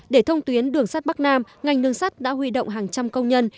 để thông tuyến đường sắt bắc nam ngành đường sắt đã huy động hàng trăm công nhân